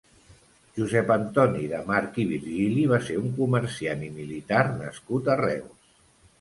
Josep Antoni de March i Virgili va ser un comerciant i militar nascut a Reus.